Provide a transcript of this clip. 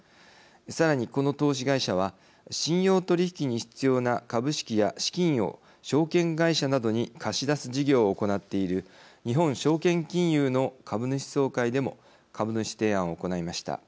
さらに、この投資会社は信用取引に必要な株式や資金を証券会社などに貸し出す事業を行っている日本証券金融の株主総会でも株主提案を行いました。